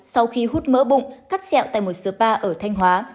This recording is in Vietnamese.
sau khi hút mỡ bụng cắt xẹo tại một sớpa ở thanh hóa